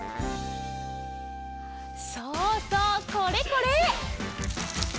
そうそうこれこれ！